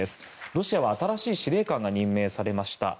ロシアは新しい司令官が任命されました。